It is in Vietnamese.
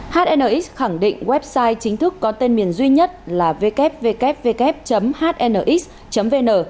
hnx khẳng định website chính thức có tên miền duy nhất là ww hnx vn